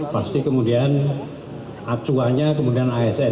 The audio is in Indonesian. pasti kemudian acuannya kemudian asn